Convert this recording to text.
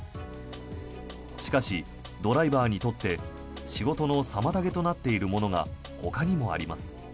しかし、ドライバーにとって仕事の妨げとなっているものがほかにもあります。